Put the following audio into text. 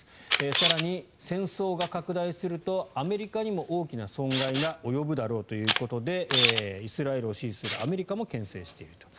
更に、戦争が拡大するとアメリカにも大きな損害が及ぶだろうということでイスラエルを支持するアメリカもけん制していると。